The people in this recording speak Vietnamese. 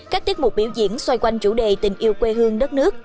các tiết mục biểu diễn xoay quanh chủ đề tình yêu quê hương đất nước